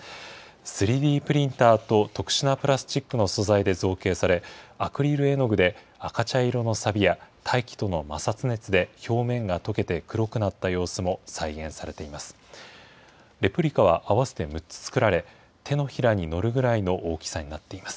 ３Ｄプリンターと特殊なプラスチックの素材で造形され、アクリル絵の具で赤茶色のさびや、大気との摩擦熱で表面が溶けて黒くなった様子も再現されています。